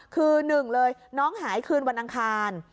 คือ๑น้องหายคืนวันอังคาร